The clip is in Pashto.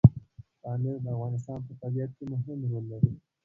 پامیر د افغانستان په طبیعت کې مهم رول لري.